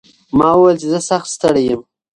ما وویل چې زه سخت ستړی یم.